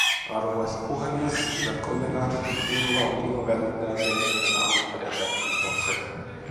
Arvoisa puhemies, hyvät kollegat, minulla on ilo välittää teille tänä aamuna eräät kiitokset.